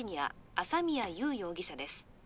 朝宮優容疑者です